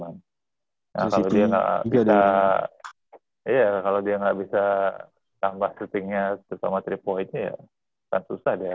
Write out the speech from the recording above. nah kalau dia nggak bisa iya kalau dia nggak bisa tambah setting nya sama tiga point nya ya kan susah deh